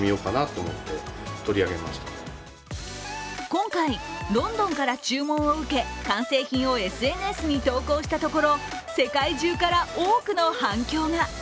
今回ロンドンから注文を受け完成品をＳＮＳに投稿したところ世界中から多くの反響が。